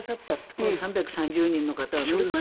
この３３０人の方。